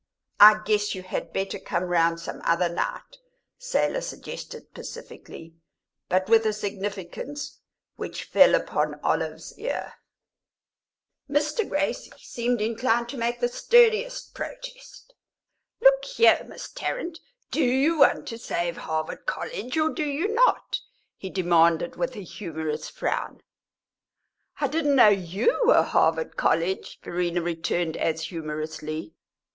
"I guess you had better come round some other night," Selah suggested pacifically, but with a significance which fell upon Olive's ear. Mr. Gracie seemed inclined to make the sturdiest protest. "Look here, Miss Tarrant; do you want to save Harvard College, or do you not?" he demanded, with a humorous frown. "I didn't know you were Harvard College!" Verena returned as humorously.